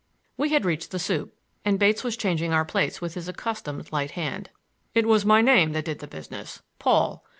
We had reached the soup, and Bates was changing our plates with his accustomed light hand. "It was my name that did the business,—Paul.